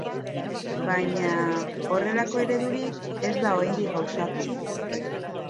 Baina, horrelako eredurik ez da oraindik gauzatu.